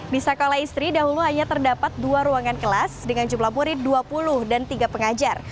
di sekolah istri dahulu hanya terdapat dua ruangan kelas dengan jumlah murid dua puluh dan tiga pengajar